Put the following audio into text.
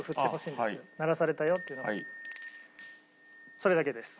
それだけです。